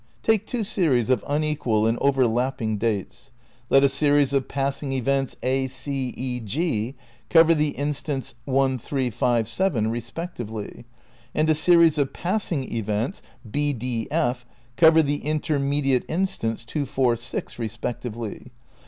Take two series of unequal and overlapping dates. Let a series of passing events A, C, E, Gr, cover the instants 1, 3, 5, 7, respectively; and a series of passing events, B, D, F, cover the intermediate instants 2, 4, 6, respectively.